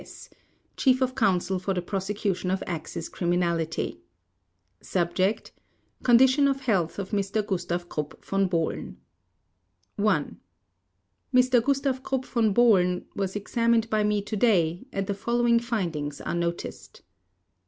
S. Chief of Counsel for the Prosecution of Axis Criminality SUBJECT: Condition of Health of Mr. Gustav Krupp von Bohlen 1. Mr. Gustav Krupp von Bohlen was examined by me today, and the following findings are noticed.